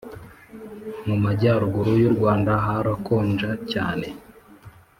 Mumajyaruguru yurwanda harakonja cyane